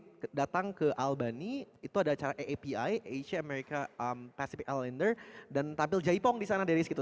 sampai pertama kali darius datang ke albany itu ada acara aapi asia america pacific islander dan tampil jaipong di sana darius gitu